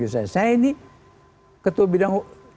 saya ini ketua bidang